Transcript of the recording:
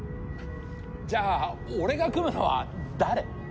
じゃあ俺が組むのは誰？